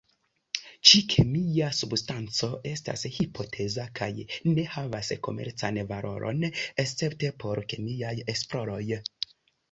Ĉi-kemia substanco estas hipoteza kaj ne havas komercan valoron, escepte por kemiaj esploroj.